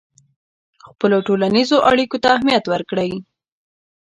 خپلو ټولنیزو اړیکو ته اهمیت ورکړئ.